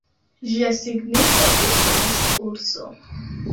Ĝia signifo estas "urso".